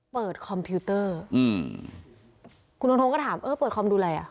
คอมพิวเตอร์อืมคุณทงทงก็ถามเออเปิดคอมดูอะไรอ่ะ